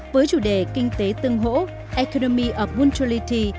với chủ đề kinh tế tương hổ economy of mutuality